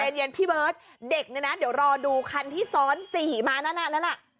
เดี๋ยวเตรียมเตรียมเตรียมพี่เบิร์ทเด็กนี่นะเดี๋ยวรอดูคันที่สอน๔มานาน่ะนั้นล่ะ